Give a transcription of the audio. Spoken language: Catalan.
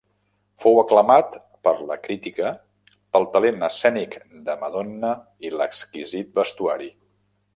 Fou aclamat per la crítica pel talent escènic de Madonna i "l'exquisit" vestuari.